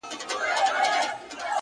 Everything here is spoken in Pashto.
• يو څو د ميني افسانې لوستې ـ